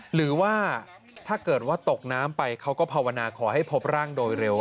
หรือว่าถ้าเกิดว่าตกน้ำไปเขาก็ภาวนาขอให้พบร่างโดยเร็ว